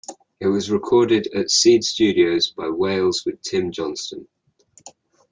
It was recorded at Seed Studios by Wales with Tim Johnston.